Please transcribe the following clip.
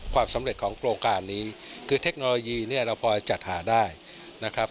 ความสำเร็จของโครงการนี้คือเทคโนโลยีเนี่ยเราพอจัดหาได้นะครับ